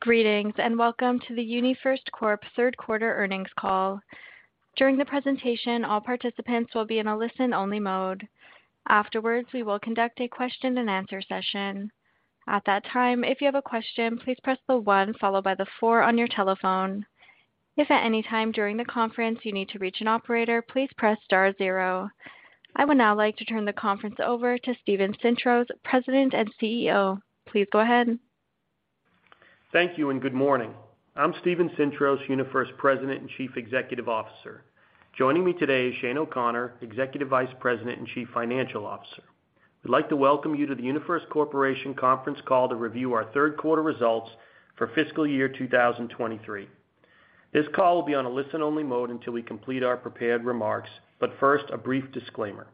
Greetings, and welcome to the UniFirst Corp third quarter earnings call. During the presentation, all participants will be in a listen-only mode. Afterwards, we will conduct a question-and-answer session. At that time, if you have a question, please press the one followed by the four on your telephone. If at any time during the conference you need to reach an operator, please press star 0. I would now like to turn the conference over to Steven Sintros, President and CEO. Please go ahead. Thank you, and good morning. I'm Steven Sintros, UniFirst President and Chief Executive Officer. Joining me today is Shane O'Connor, Executive Vice President and Chief Financial Officer. We'd like to welcome you to the UniFirst Corporation conference call to review our third quarter results for fiscal year 2023. This call will be on a listen-only mode until we complete our prepared remarks, but first, a brief disclaimer.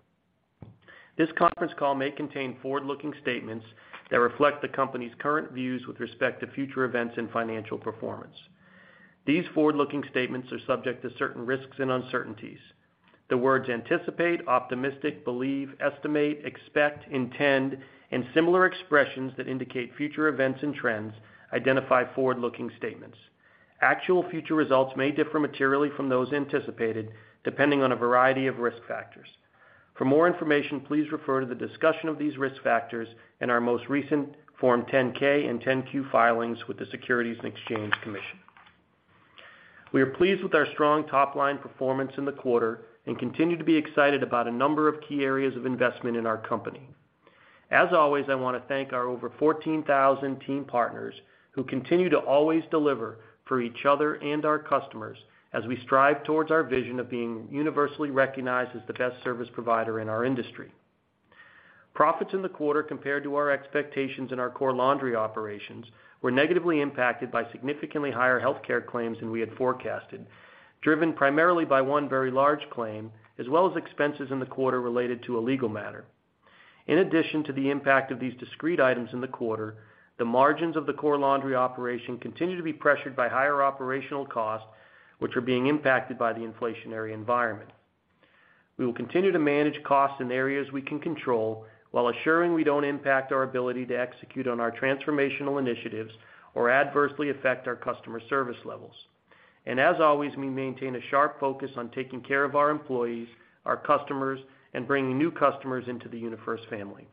This conference call may contain forward-looking statements that reflect the company's current views with respect to future events and financial performance. These forward-looking statements are subject to certain risks and uncertainties. The words anticipate, optimistic, believe, estimate, expect, intend, and similar expressions that indicate future events and trends identify forward-looking statements. Actual future results may differ materially from those anticipated, depending on a variety of risk factors. For more information, please refer to the discussion of these risk factors in our most recent Form 10-K and 10-Q filings with the Securities and Exchange Commission. We are pleased with our strong top-line performance in the quarter and continue to be excited about a number of key areas of investment in our company. As always, I want to thank our over 14,000 team partners, who continue to always deliver for each other and our customers as we strive towards our vision of being universally recognized as the best service provider in our industry. Profits in the quarter, compared to our expectations in our Core Laundry Operations, were negatively impacted by significantly higher healthcare claims than we had forecasted, driven primarily by one very large claim, as well as expenses in the quarter related to a legal matter. In addition to the impact of these discrete items in the quarter, the margins of the Core Laundry Operations continue to be pressured by higher operational costs, which are being impacted by the inflationary environment. We will continue to manage costs in areas we can control, while assuring we don't impact our ability to execute on our transformational initiatives or adversely affect our customer service levels. As always, we maintain a sharp focus on taking care of our employees, our customers, and bringing new customers into the UniFirst family.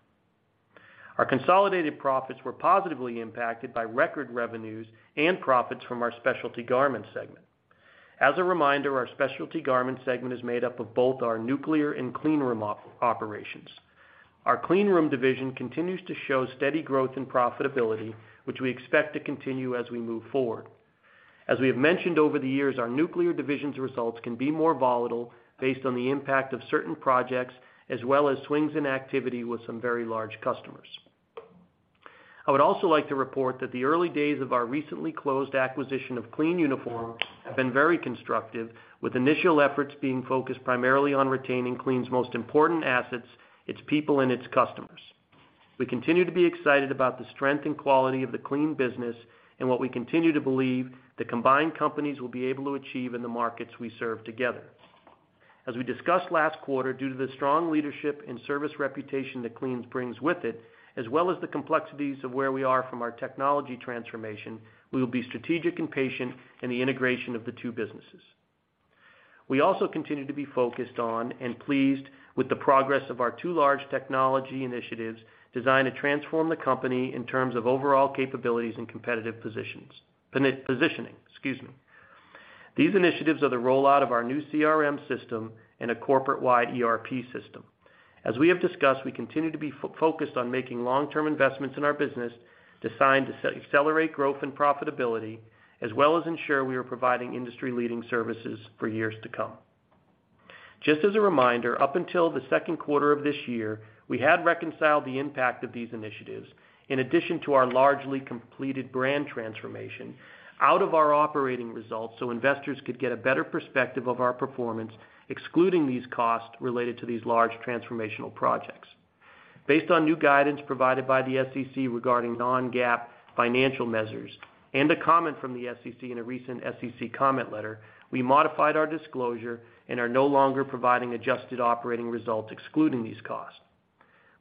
Our consolidated profits were positively impacted by record revenues and profits from our Specialty Garments segment. As a reminder, our Specialty Garments segment is made up of both our nuclear and cleanroom operations. Our cleanroom division continues to show steady growth and profitability, which we expect to continue as we move forward. As we have mentioned over the years, our nuclear division's results can be more volatile based on the impact of certain projects, as well as swings in activity with some very large customers. I would also like to report that the early days of our recently closed acquisition of Clean Uniform have been very constructive, with initial efforts being focused primarily on retaining Clean's most important assets, its people and its customers. We continue to be excited about the strength and quality of the Clean business and what we continue to believe the combined companies will be able to achieve in the markets we serve together. As we discussed last quarter, due to the strong leadership and service reputation that Clean brings with it, as well as the complexities of where we are from our technology transformation, we will be strategic and patient in the integration of the two businesses. We also continue to be focused on and pleased with the progress of our two large technology initiatives designed to transform the company in terms of overall capabilities and competitive positioning, excuse me. These initiatives are the rollout of our new CRM system and a corporate-wide ERP system. As we have discussed, we continue to be focused on making long-term investments in our business, designed to accelerate growth and profitability, as well as ensure we are providing industry-leading services for years to come. Just as a reminder, up until the second quarter of this year, we had reconciled the impact of these initiatives, in addition to our largely completed brand transformation, out of our operating results, so investors could get a better perspective of our performance, excluding these costs related to these large transformational projects. Based on new guidance provided by the SEC regarding non-GAAP financial measures and a comment from the SEC in a recent SEC comment letter, we modified our disclosure and are no longer providing adjusted operating results excluding these costs.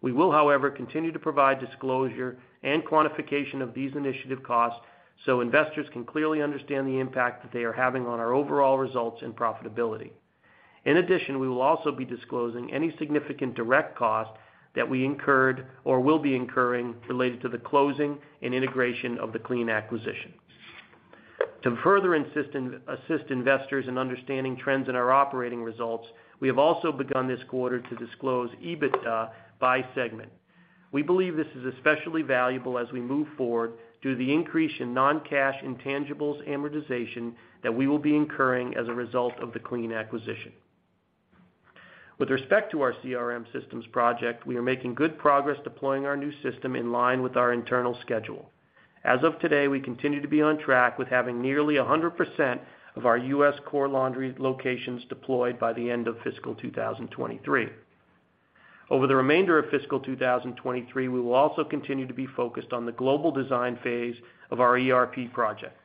We will, however, continue to provide disclosure and quantification of these initiative costs so investors can clearly understand the impact that they are having on our overall results and profitability. We will also be disclosing any significant direct costs that we incurred or will be incurring related to the closing and integration of the Clean acquisition. To further assist investors in understanding trends in our operating results, we have also begun this quarter to disclose EBITDA by segment. We believe this is especially valuable as we move forward due to the increase in non-cash intangibles amortization that we will be incurring as a result of the Clean acquisition. With respect to our CRM systems project, we are making good progress deploying our new system in line with our internal schedule. As of today, we continue to be on track with having nearly 100% of our U.S. Core Laundry locations deployed by the end of fiscal 2023. Over the remainder of fiscal 2023, we will also continue to be focused on the global design phase of our ERP project.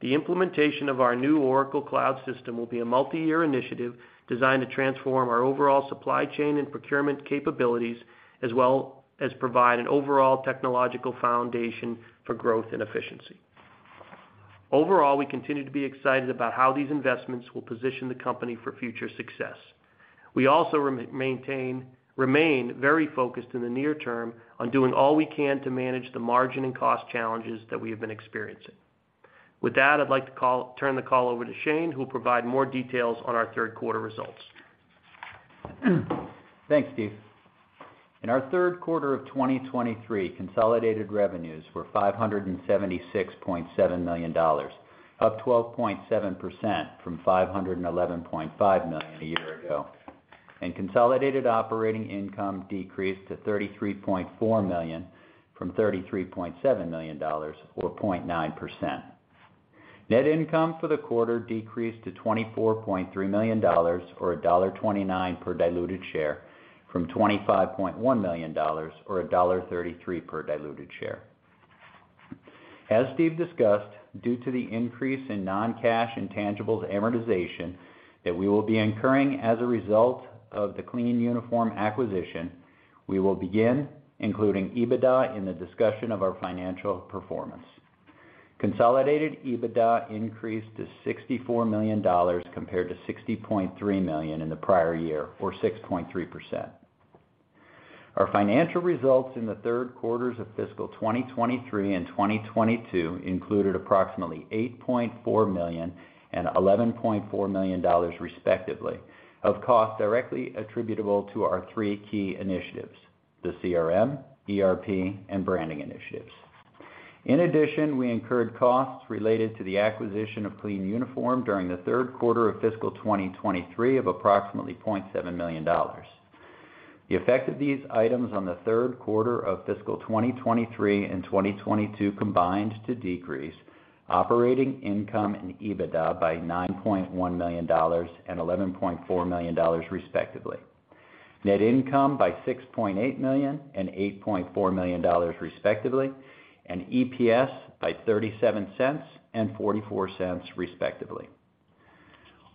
The implementation of our new Oracle Cloud system will be a multi-year initiative designed to transform our overall supply chain and procurement capabilities, as well as provide an overall technological foundation for growth and efficiency. Overall, we continue to be excited about how these investments will position the company for future success. We also remain very focused in the near term on doing all we can to manage the margin and cost challenges that we have been experiencing. With that, turn the call over to Shane, who will provide more details on our third quarter results. Thanks, Steve. In our third quarter of 2023, consolidated revenues were $576.7 million, up 12.7% from $511.5 million a year ago. Consolidated operating income decreased to $33.4 million from $33.7 million, or 0.9%. Net income for the quarter decreased to $24.3 million, or $1.29 per diluted share, from $25.1 million, or $1.33 per diluted share. As Steve discussed, due to the increase in non-cash intangibles amortization that we will be incurring as a result of the Clean Uniform acquisition, we will begin including EBITDA in the discussion of our financial performance. Consolidated EBITDA increased to $64 million, compared to $60.3 million in the prior year, or 6.3%. Our financial results in the third quarters of fiscal 2023 and 2022 included approximately $8.4 million and $11.4 million, respectively, of costs directly attributable to our three key initiatives: the CRM, ERP, and branding initiatives. In addition, we incurred costs related to the acquisition of Clean Uniform during the third quarter of fiscal 2023 of approximately $0.7 million. The effect of these items on the third quarter of fiscal 2023 and 2022 combined to decrease operating income and EBITDA by $9.1 million and $11.4 million, respectively, net income by $6.8 million and $8.4 million, respectively, and EPS by $0.37 and $0.44, respectively.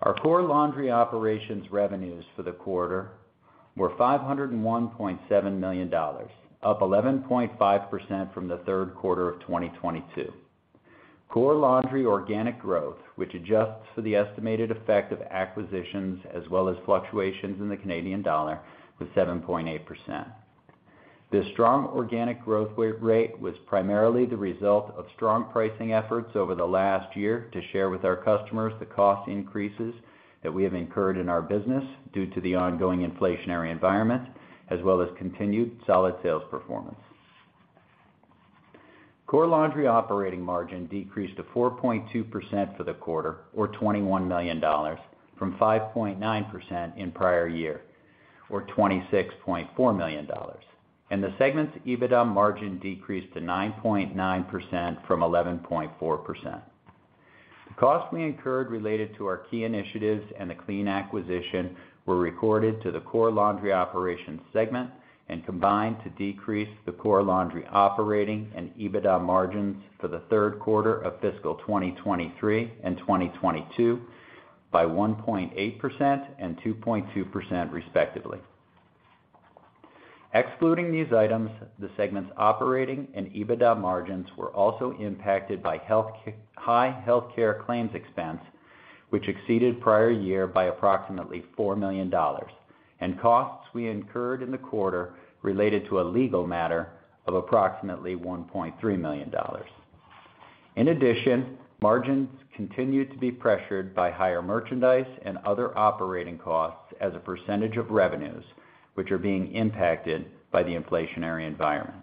Our Core Laundry Operations revenues for the quarter were $501.7 million, up 11.5% from the third quarter of 2022. Core Laundry organic growth, which adjusts for the estimated effect of acquisitions as well as fluctuations in the Canadian dollar, was 7.8%. This strong organic growth rate was primarily the result of strong pricing efforts over the last year to share with our customers the cost increases that we have incurred in our business due to the ongoing inflationary environment, as well as continued solid sales performance. Core Laundry operating margin decreased to 4.2% for the quarter, or $21 million, from 5.9% in prior year, or $26.4 million, and the segment's EBITDA margin decreased to 9.9% from 11.4%. The costs we incurred related to our key initiatives and the Clean acquisition were recorded to the Core Laundry Operations segment and combined to decrease the Core Laundry operating and EBITDA margins for the third quarter of fiscal 2023 and 2022 by 1.8% and 2.2%, respectively. Excluding these items, the segment's operating and EBITDA margins were also impacted by high healthcare claims expense, which exceeded prior year by approximately $4 million, and costs we incurred in the quarter related to a legal matter of approximately $1.3 million. Margins continued to be pressured by higher merchandise and other operating costs as a % of revenues, which are being impacted by the inflationary environment.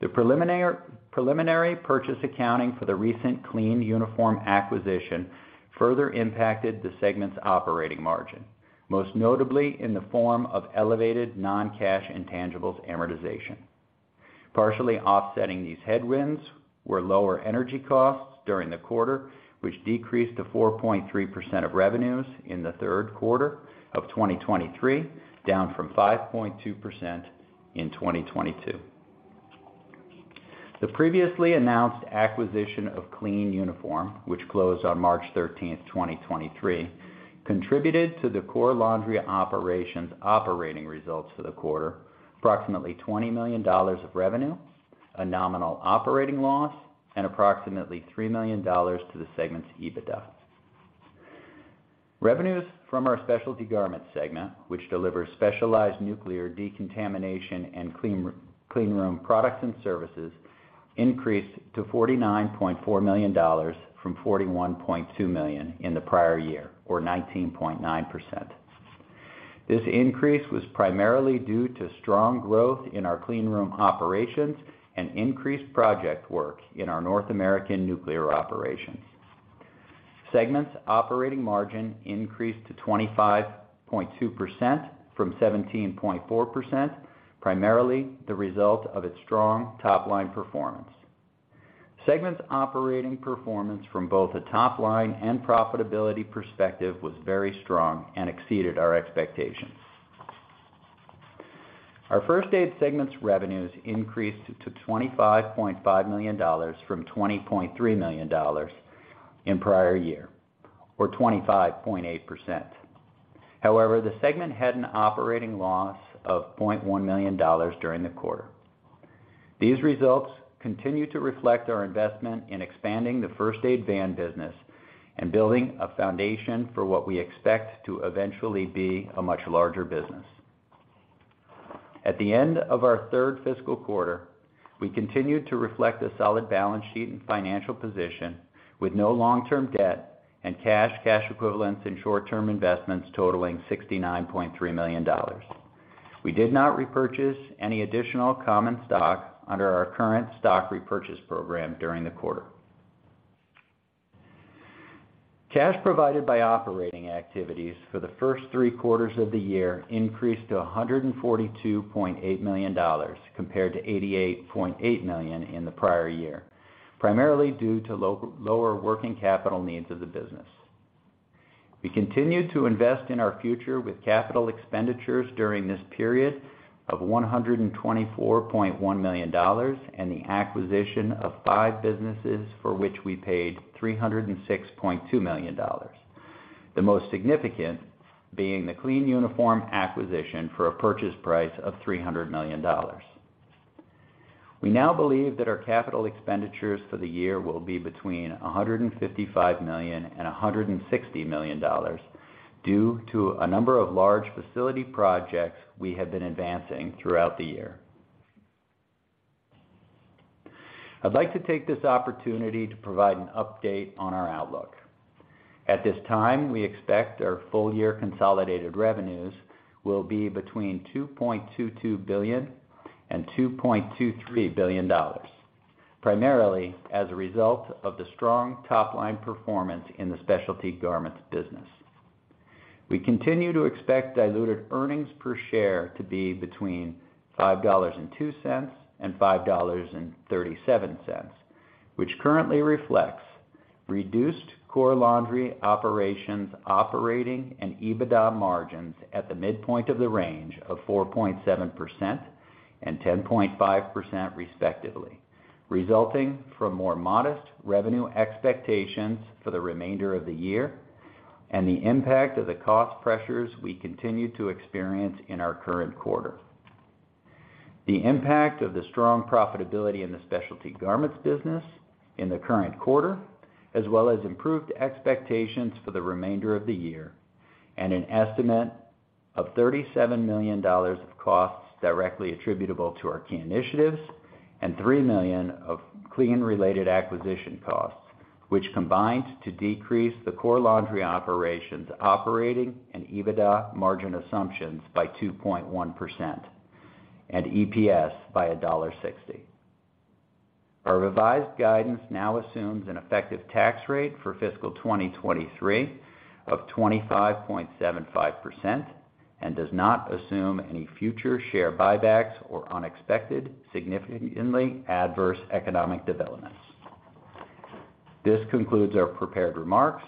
The preliminary purchase accounting for the recent Clean Uniform acquisition further impacted the segment's operating margin, most notably in the form of elevated non-cash intangibles amortization. Partially offsetting these headwinds were lower energy costs during the quarter, which decreased to 4.3% of revenues in the third quarter of 2023, down from 5.2% in 2022. The previously announced acquisition of Clean Uniform, which closed on March 13th, 2023, contributed to the Core Laundry Operations operating results for the quarter, approximately $20 million of revenue, a nominal operating loss, and approximately $3 million to the segment's EBITDA. Revenues from our Specialty Garments segment, which delivers specialized nuclear decontamination and clean room products and services, increased to $49.4 million from $41.2 million in the prior year, or 19.9%. This increase was primarily due to strong growth in our cleanroom operations and increased project work in our North American nuclear operations. Segment's operating margin increased to 25.2% from 17.4%, primarily the result of its strong top-line performance. Segment's operating performance from both a top-line and profitability perspective was very strong and exceeded our expectations. Our First Aid segment's revenues increased to $25.5 million from $20.3 million in prior year, or 25.8%. However, the segment had an operating loss of $0.1 million during the quarter. These results continue to reflect our investment in expanding the First Aid van business and building a foundation for what we expect to eventually be a much larger business. At the end of our third fiscal quarter, we continued to reflect a solid balance sheet and financial position, with no long-term debt and cash equivalents, and short-term investments totaling $69.3 million. We did not repurchase any additional common stock under our current stock repurchase program during the quarter. Cash provided by operating activities for the first 3/4 of the year increased to $142.8 million, compared to $88.8 million in the prior year, primarily due to lower working capital needs of the business. We continued to invest in our future with capital expenditures during this period of $124.1 million and the acquisition of five businesses, for which we paid $306.2 million, the most significant being the Clean Uniform acquisition for a purchase price of $300 million. We now believe that our capital expenditures for the year will be between $155 million and $160 million, due to a number of large facility projects we have been advancing throughout the year. I'd like to take this opportunity to provide an update on our outlook. At this time, we expect our full year consolidated revenues will be between $2.22 billion and $2.23 billion, primarily as a result of the strong top-line performance in the Specialty Garments business. We continue to expect diluted earnings per share to be between $5.02 and $5.37, which currently reflects reduced Core Laundry operations, operating and EBITDA margins at the midpoint of the range of 4.7% and 10.5%, respectively, resulting from more modest revenue expectations for the remainder of the year and the impact of the cost pressures we continue to experience in our current quarter. The impact of the strong profitability in the Specialty Garments business in the current quarter, as well as improved expectations for the remainder of the year, and an estimate of $37 million of costs directly attributable to our key initiatives, and $3 million of Clean-related acquisition costs, which combined to decrease the Core Laundry operations' operating and EBITDA margin assumptions by 2.1%, and EPS by $1.60. Our revised guidance now assumes an effective tax rate for fiscal 2023 of 25.75% and does not assume any future share buybacks or unexpected, significantly adverse economic developments. This concludes our prepared remarks.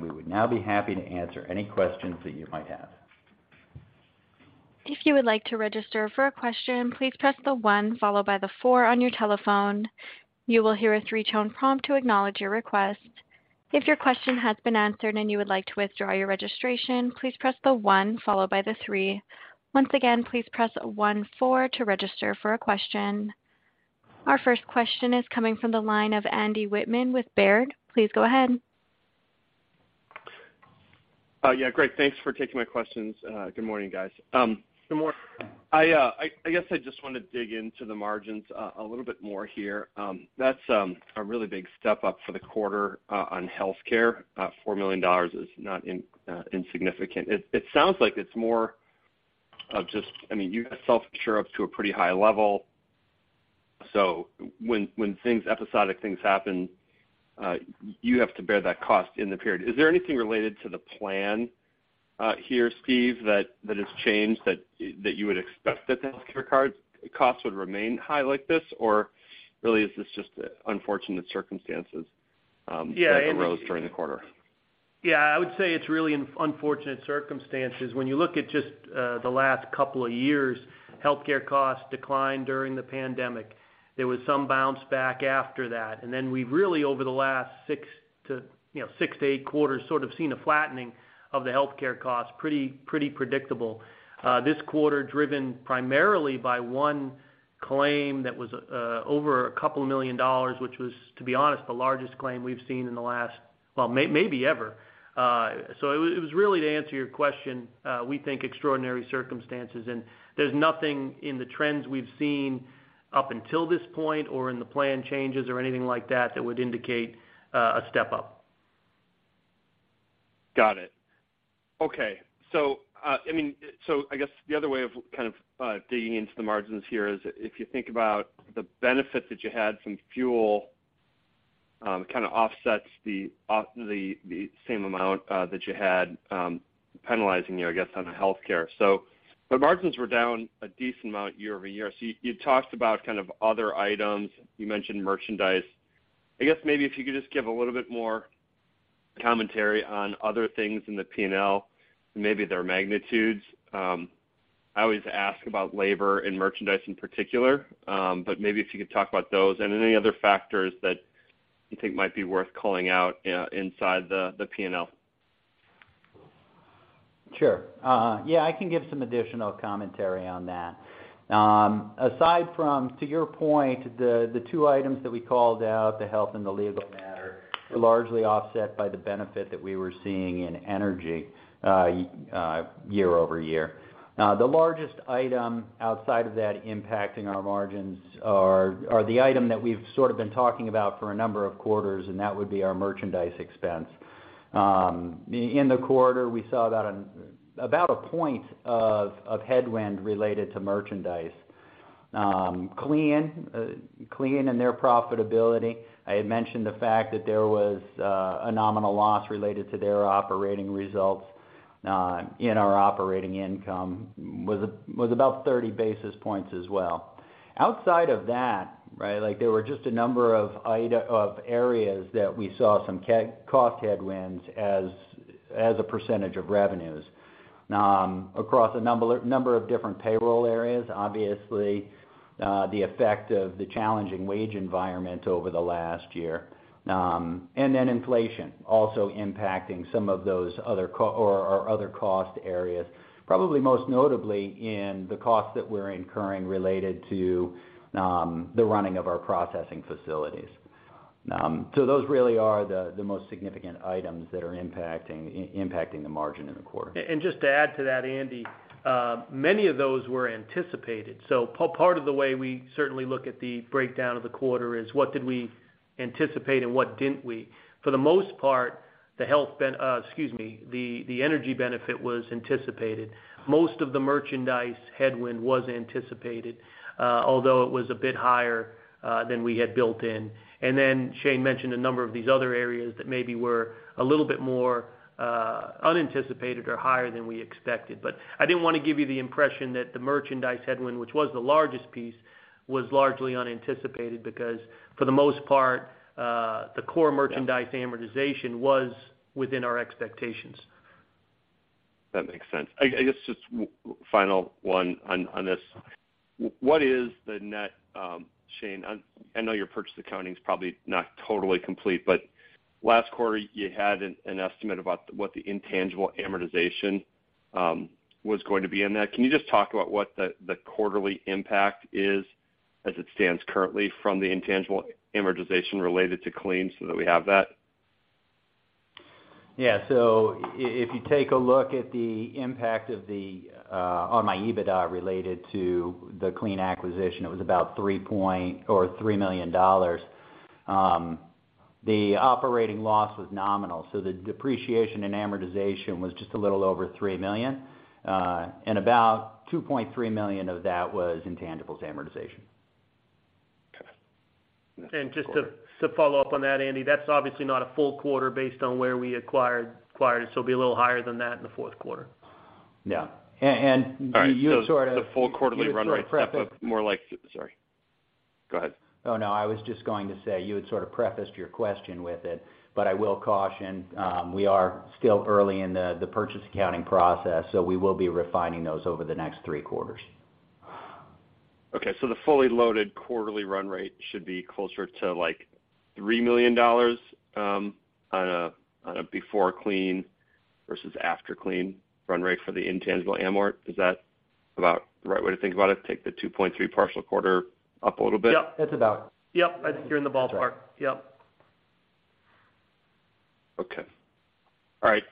We would now be happy to answer any questions that you might have. If you would like to register for a question, please press the one followed by the four on your telephone. You will hear a three-tone prompt to acknowledge your request. If your question has been answered and you would like to withdraw your registration, please press the 1 followed by the three. Once again, please press one, four to register for a question. Our first question is coming from the line of Andrew Wittmann with Baird. Please go ahead. Yeah, great. Thanks for taking my questions. Good morning, guys. Good morning. I guess I just want to dig into the margins a little bit more here. That's a really big step up for the quarter on healthcare. $4 million is not insignificant. It sounds like it's more of I mean, you guys self-insure up to a pretty high level, so when things, episodic things happen, you have to bear that cost in the period. Is there anything related to the plan here, Steve, that has changed that you would expect that the healthcare card costs would remain high like this? Really, is this just unfortunate circumstances that arose during the quarter? I would say it's really unfortunate circumstances. When you look at just, the last couple of years, healthcare costs declined during the pandemic. There was some bounce back after that. We really, over the last six to, you know, six to eight quarters, sort of seen a flattening of the healthcare costs, pretty predictable. This quarter, driven primarily by one claim that was, over a couple million dollars, which was, to be honest, the largest claim we've seen in the last. Well, maybe ever. It was really, to answer your question, we think extraordinary circumstances. There's nothing in the trends we've seen up until this point or in the plan changes or anything like that would indicate, a step up. Got it. Okay. I mean, I guess the other way of kind of digging into the margins here is if you think about the benefit that you had from fuel, it kind of offsets the same amount that you had penalizing you, I guess, on the healthcare. But margins were down a decent amount year-over-year. You talked about kind of other items. You mentioned merchandise. I guess maybe if you could just give a little bit more commentary on other things in the P&L, maybe their magnitudes. I always ask about labor and merchandise in particular, but maybe if you could talk about those and any other factors that you think might be worth calling out inside the P&L. Sure. I can give some additional commentary on that. Aside from, to your point, the two items that we called out, the health and the legal matter, were largely offset by the benefit that we were seeing in energy year-over-year. The largest item outside of that impacting our margins are the item that we've sort of been talking about for a number of quarters, and that would be our merchandise expense. In the quarter, we saw about a point of headwind related to merchandise. Clean and their profitability, I had mentioned the fact that there was a nominal loss related to their operating results in our operating income, was about 30 basis points as well. Outside of that, right, like, there were just a number of areas that we saw some cost headwinds as a percentage of revenues. Across a number of different payroll areas, obviously, the effect of the challenging wage environment over the last year. Inflation also impacting some of those other cost areas, probably most notably in the costs that we're incurring related to the running of our processing facilities. Those really are the most significant items that are impacting the margin in the quarter. Just to add to that, Andrew, many of those were anticipated. Part of the way we certainly look at the breakdown of the quarter is what did we anticipate and what didn't we? For the most part, the health, excuse me, the energy benefit was anticipated. Most of the merchandise headwind was anticipated, although it was a bit higher than we had built in. Shane mentioned a number of these other areas that maybe were a little bit more unanticipated or higher than we expected. I didn't want to give you the impression that the merchandise headwind, which was the largest piece, was largely unanticipated, because for the most part, the core merchandise amortization was within our expectations. That makes sense. I guess just final one on this. What is the net, Shane, I know your purchase accounting is probably not totally complete, but last quarter, you had an estimate about what the intangible amortization was going to be in that. Can you just talk about what the quarterly impact is as it stands currently from the intangible amortization related to Clean, so that we have that? Yeah. If you take a look at the impact of the on my EBITDA related to the Clean acquisition, it was about $3 million. The operating loss was nominal, so the depreciation and amortization was just a little over $3 million, and about $2.3 million of that was intangibles amortization. Okay. Just to follow up on that, Andy, that's obviously not a full quarter based on where we acquired, so it'll be a little higher than that in the fourth quarter. Yeah. you sort of. The full quarterly run rate prep of more like... Sorry. Go ahead. Oh, no, I was just going to say, you had sort of prefaced your question with it, but I will caution, we are still early in the purchase accounting process, so we will be refining those over the next 3/4. The fully loaded quarterly run rate should be closer to, like, $3 million on a before Clean versus after Clean run rate for the intangible amort. Is that about the right way to think about it? Take the $2.3 partial quarter up a little bit. Yep, that's about. Yep, I think you're in the ballpark. Yep. Okay. All right,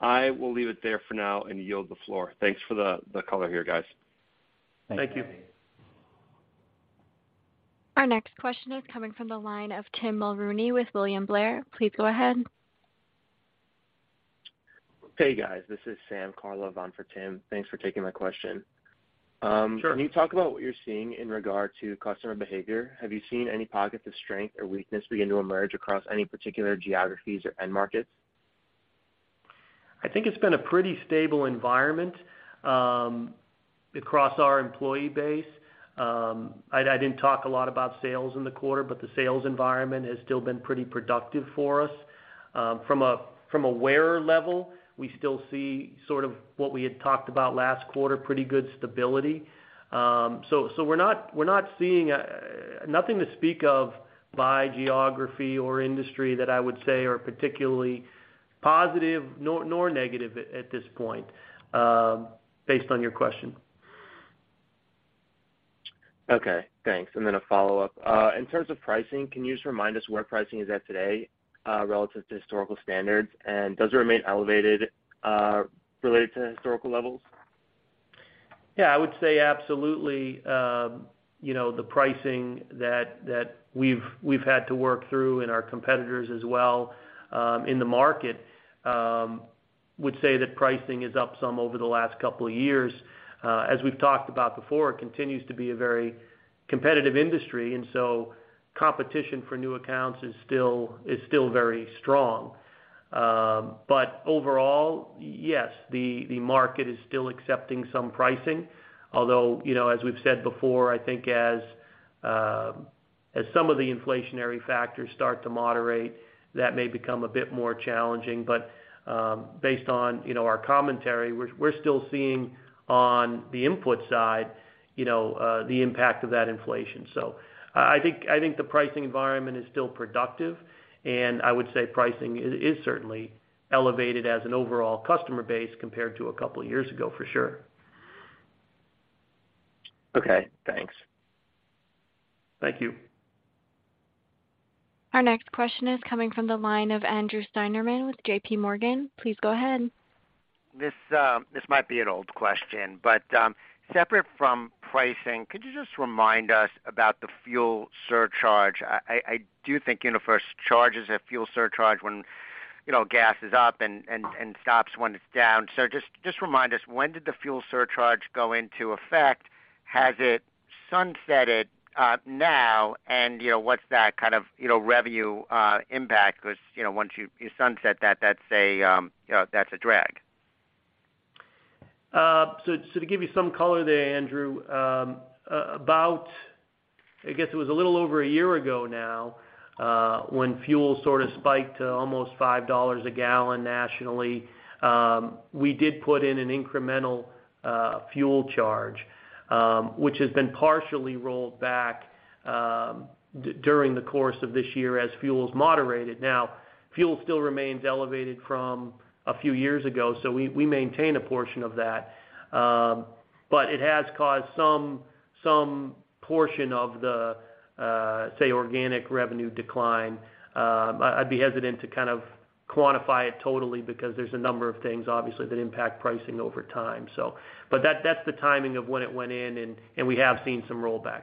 I will leave it there for now and yield the floor. Thanks for the color here, guys. Thank you. Thank you. Our next question is coming from the line of Tim Mulrooney with William Blair. Please go ahead. Hey, guys, this is Sam Karlov on for Tim. Thanks for taking my question. Sure. Can you talk about what you're seeing in regard to customer behavior? Have you seen any pockets of strength or weakness begin to emerge across any particular geographies or end markets? I think it's been a pretty stable environment across our employee base. I didn't talk a lot about sales in the quarter, but the sales environment has still been pretty productive for us. From a wearer level, we still see sort of what we had talked about last quarter, pretty good stability. So we're not seeing nothing to speak of by geography or industry that I would say are particularly positive, nor negative at this point, based on your question. Okay, thanks. Then a follow-up. In terms of pricing, can you just remind us where pricing is at today, relative to historical standards? Does it remain elevated, related to historical levels? Yeah, I would say absolutely. You know, the pricing that we've had to work through, and our competitors as well, in the market, would say that pricing is up some over the last 2 years. As we've talked about before, it continues to be a very competitive industry. Competition for new accounts is still very strong. Overall, yes, the market is still accepting some pricing. Although, you know, as we've said before, I think as some of the inflationary factors start to moderate, that may become a bit more challenging. Based on, you know, our commentary, we're still seeing on the input side, you know, the impact of that inflation. I think the pricing environment is still productive, and I would say pricing is certainly elevated as an overall customer base compared to a couple of years ago, for sure. Okay, thanks. Thank you. Our next question is coming from the line of Andrew Steinerman with JPMorgan. Please go ahead. This, this might be an old question, but separate from pricing, could you just remind us about the fuel surcharge? I do think UniFirst charges a fuel surcharge when, you know, gas is up and stops when it's down. Just remind us, when did the fuel surcharge go into effect? Has it sunsetted now? You know, what's that kind of, you know, revenue impact? 'Cause, you know, once you sunset that's a, you know, that's a drag. To give you some color there, Andrew, about, I guess it was a little over a year ago now, when fuel sort of spiked to almost $5 a gallon nationally, we did put in an incremental fuel charge, which has been partially rolled back during the course of this year as fuels moderated. Fuel still remains elevated from a few years ago, so we maintain a portion of that. It has caused some portion of the, say, organic revenue decline. I'd be hesitant to kind of quantify it totally because there's a number of things, obviously, that impact pricing over time. That's the timing of when it went in, and we have seen some rollback.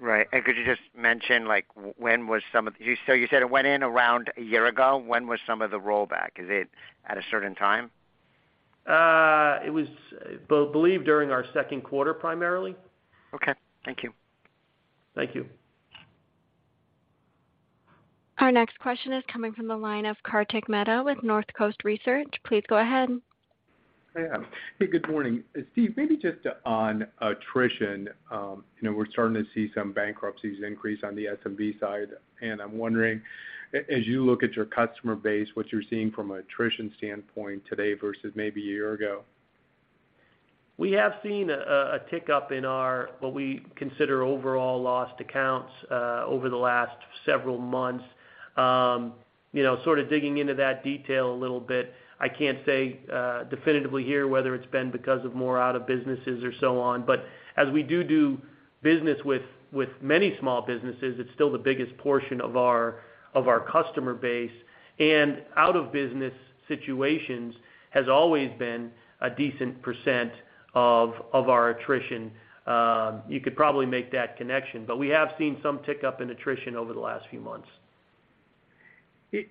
Right. Could you just mention, like, when was some of the... You said it went in around a year ago. When was some of the rollback? Is it at a certain time? It was believe during our second quarter, primarily. Okay, thank you. Thank you. Our next question is coming from the line of Kartik Mehta with Northcoast Research. Please go ahead. Yeah. Hey, good morning. Steve, maybe just on attrition. You know, we're starting to see some bankruptcies increase on the SMB side, I'm wondering, as you look at your customer base, what you're seeing from an attrition standpoint today versus maybe a year ago? We have seen a tick up in our, what we consider overall lost accounts, over the last several months. You know, sort of digging into that detail a little bit, I can't say definitively here, whether it's been because of more out of businesses or so on. As we do business with many small businesses, it's still the biggest portion of our customer base. Out of business situations has always been a decent % of our attrition. You could probably make that connection, but we have seen some tick up in attrition over the last few months.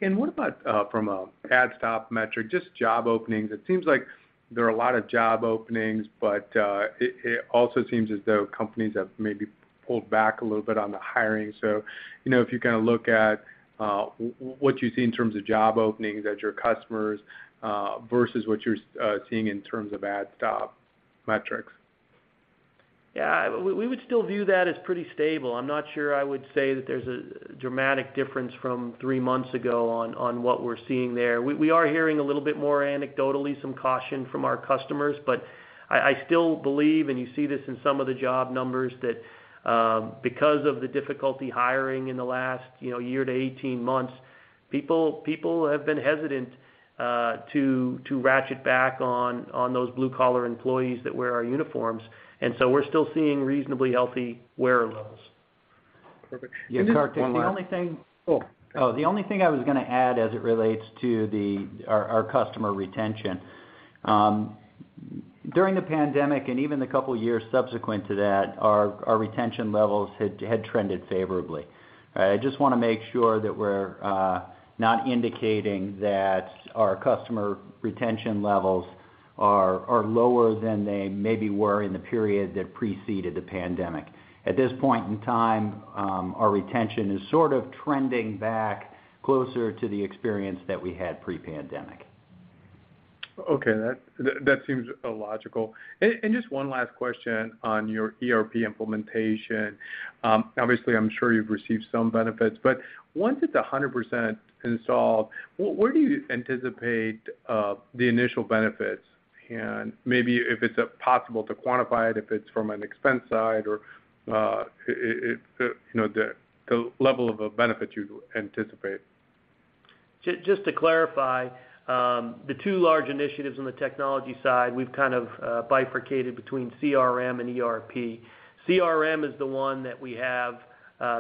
What about, from a add stop metric, just job openings? It seems like there are a lot of job openings, it also seems as though companies have maybe pulled back a little bit on the hiring. You know, if you kind of look at what you see in terms of job openings at your customers, versus what you're seeing in terms of add stop metrics. Yeah, we would still view that as pretty stable. I'm not sure I would say that there's a dramatic difference from 3 months ago on what we're seeing there. We are hearing a little bit more anecdotally, some caution from our customers, but I still believe, and you see this in some of the job numbers, that because of the difficulty hiring in the last, you know, year to 18 months, people have been hesitant to ratchet back on those blue-collar employees that wear our uniforms, and so we're still seeing reasonably healthy wearer levels. Perfect. Kartik. The only thing I was gonna add as it relates to the, our customer retention. During the pandemic, and even the couple of years subsequent to that, our retention levels had trended favorably. I just want to make sure that we're not indicating that our customer retention levels are lower than they maybe were in the period that preceded the pandemic. At this point in time, our retention is sort of trending back closer to the experience that we had pre-pandemic. Okay, that seems logical. Just one last question on your ERP implementation. Obviously, I'm sure you've received some benefits, but once it's 100% installed, where do you anticipate the initial benefits? Maybe if it's possible to quantify it, if it's from an expense side or you know, the level of a benefit you anticipate. Just to clarify, the two large initiatives on the technology side, we've kind of bifurcated between CRM and ERP. CRM is the one that we have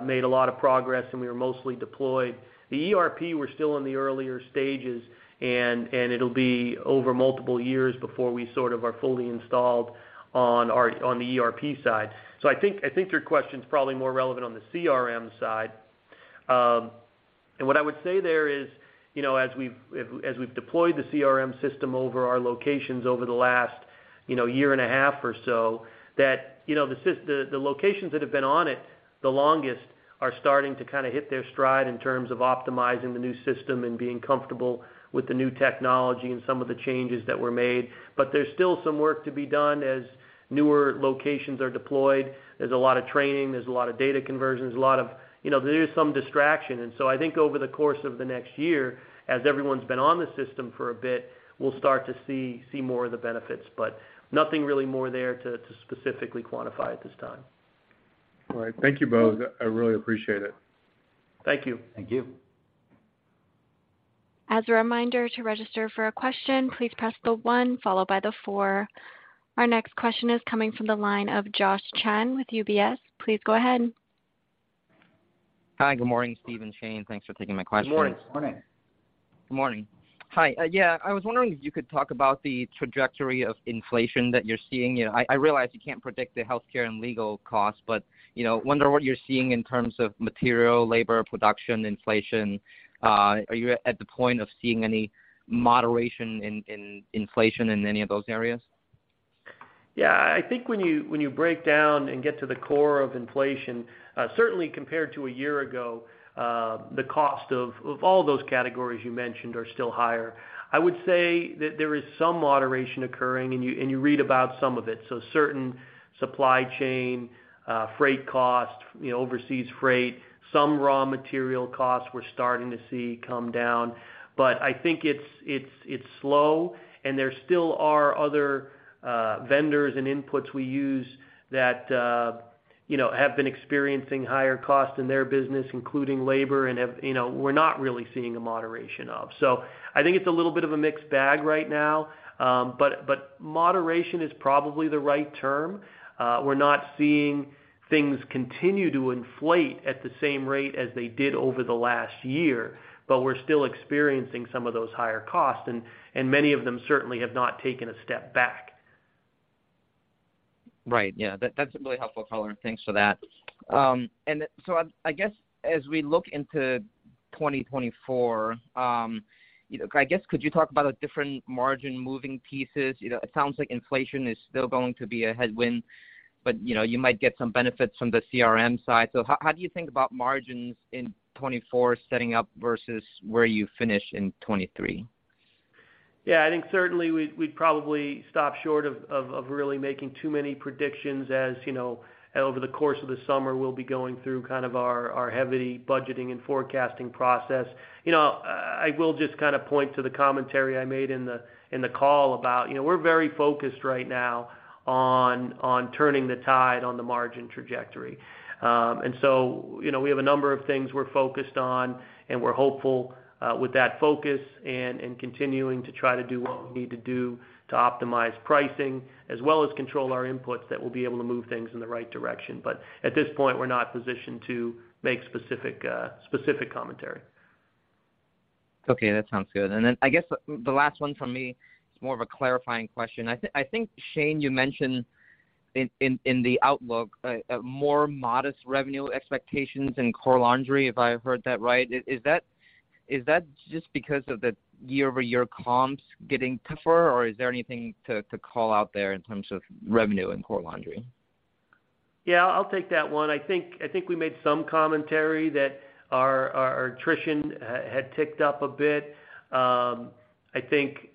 made a lot of progress, and we are mostly deployed. The ERP, we're still in the earlier stages, and it'll be over multiple years before we sort of are fully installed on the ERP side. I think your question is probably more relevant on the CRM side. What I would say there is, you know, as we've deployed the CRM system over our locations over the last,... you know, year and 1/2 or that, you know, the locations that have been on it the longest are starting to kind of hit their stride in terms of optimizing the new system and being comfortable with the new technology and some of the changes that were made. There's still some work to be done as newer locations are deployed. There's a lot of training, there's a lot of data conversions, a lot of, you know, there is some distraction. I think over the course of the next year, as everyone's been on the system for a bit, we'll start to see more of the benefits, but nothing really more there to specifically quantify at this time. All right. Thank you, both. I really appreciate it. Thank you. Thank you. As a reminder, to register for a question, please press the one followed by the four. Our next question is coming from the line of Josh Chan with UBS. Please go ahead. Hi, good morning, Steve and Shane. Thanks for taking my question. Good morning. Good morning. Hi. Yeah, I was wondering if you could talk about the trajectory of inflation that you're seeing. I realize you can't predict the healthcare and legal costs, but, you know, wonder what you're seeing in terms of material, labor, production, inflation. Are you at the point of seeing any moderation in inflation in any of those areas? Yeah, I think when you, when you break down and get to the core of inflation, certainly compared to a year ago, the cost of all those categories you mentioned are still higher. I would say that there is some moderation occurring, and you, and you read about some of it. Certain supply chain, freight costs, you know, overseas freight, some raw material costs we're starting to see come down. I think it's, it's slow, and there still are other vendors and inputs we use that, you know, have been experiencing higher costs in their business, including labor, you know, we're not really seeing a moderation of. I think it's a little bit of a mixed bag right now, but moderation is probably the right term. We're not seeing things continue to inflate at the same rate as they did over the last year, but we're still experiencing some of those higher costs, and many of them certainly have not taken a step back. Right. Yeah, that's a really helpful color. Thanks for that. I guess, as we look into 2024, you know, I guess, could you talk about the different margin moving pieces? You know, it sounds like inflation is still going to be a headwind, but, you know, you might get some benefits from the CRM side. How, how do you think about margins in 2024 setting up versus where you finish in 2023? Yeah, I think certainly we'd probably stop short of really making too many predictions. As you know, over the course of the summer, we'll be going through kind of our heavy budgeting and forecasting process. You know, I will just kind of point to the commentary I made in the call about, you know, we're very focused right now on turning the tide on the margin trajectory. You know, we have a number of things we're focused on, and we're hopeful, with that focus and continuing to try to do what we need to do to optimize pricing, as well as control our inputs, that will be able to move things in the right direction. At this point, we're not positioned to make specific commentary. Okay, that sounds good. I guess the last one from me is more of a clarifying question. I think Shane, you mentioned in the outlook, a more modest revenue expectations in Core Laundry, if I heard that right. Is that just because of the year-over-year comps getting tougher, or is there anything to call out there in terms of revenue in Core Laundry? Yeah, I'll take that one. I think we made some commentary that our attrition had ticked up a bit. I think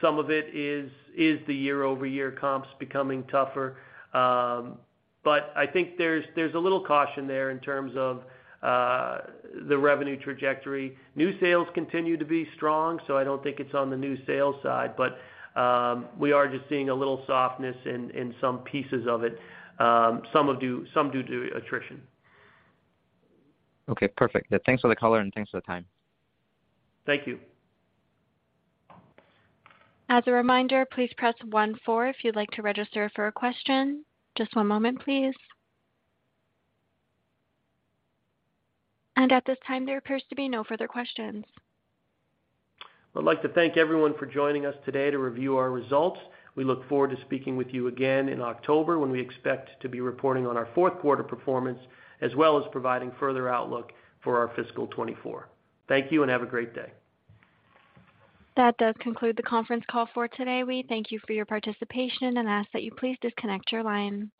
some of it is the year-over-year comps becoming tougher. I think there's a little caution there in terms of the revenue trajectory. New sales continue to be strong, I don't think it's on the new sales side, we are just seeing a little softness in some pieces of it, some due to attrition. Okay, perfect. Thanks for the color, and thanks for the time. Thank you. As a reminder, please press 1, 4, if you'd like to register for a question. Just one moment, please. At this time, there appears to be no further questions. I'd like to thank everyone for joining us today to review our results. We look forward to speaking with you again in October, when we expect to be reporting on our fourth quarter performance, as well as providing further outlook for our fiscal 2024. Thank you, and have a great day. That does conclude the conference call for today. We thank you for your participation and ask that you please disconnect your line.